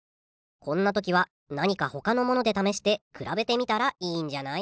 こんな時は何かほかのもので試して比べてみたらいいんじゃない？